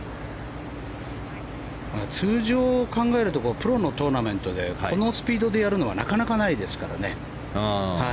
通常を考えるとプロのトーナメントでこのスピードでやるのはなかなかないですからね。